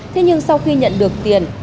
thế nhưng sau khi nhận được tiền